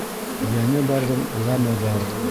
Йәне барҙың ғәме бар.